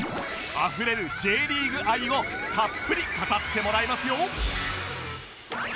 あふれる Ｊ リーグ愛をたっぷり語ってもらいますよ